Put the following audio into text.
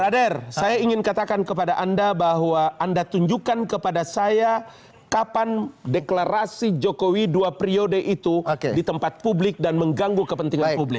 radar saya ingin katakan kepada anda bahwa anda tunjukkan kepada saya kapan deklarasi jokowi dua periode itu di tempat publik dan mengganggu kepentingan publik